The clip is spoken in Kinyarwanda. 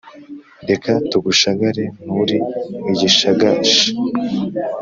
reka tugushagare nturi igishagasha